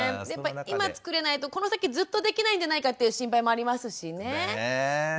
今つくれないとこの先ずっとできないんじゃないかっていう心配もありますしね。